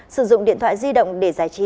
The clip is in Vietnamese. sử dụng điện thoại di động để giải trí